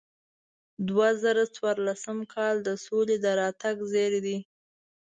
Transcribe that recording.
دوه زره څوارلسم کال د سولې د راتګ زیری دی.